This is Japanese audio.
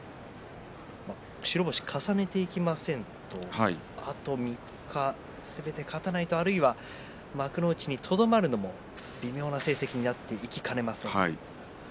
白星を重ねていきませんとあと３日すべて勝たないとあるいは幕内にとどまるのも微妙な成績になってきかねません。